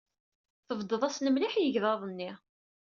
Tbeddeḍ-asen mliḥ i yegḍaḍ-nni.